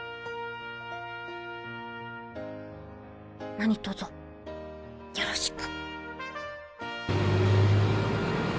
何とぞよろしく